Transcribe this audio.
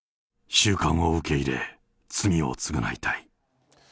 収監を受け入れ、罪を償いたい。